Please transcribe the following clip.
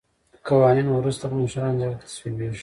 قوانین وروسته په مشرانو جرګه کې تصویبیږي.